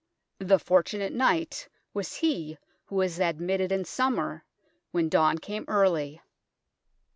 The fortunate knight was he who was admitted in summer, when dawn came early.